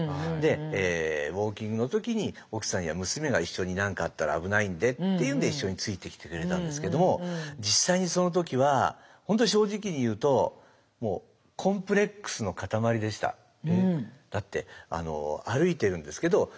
ウォーキングの時に奥さんや娘が一緒に何かあったら危ないんでっていうんで一緒についてきてくれたんですけども実際にその時は本当に正直に言うとだって歩いてるんですけど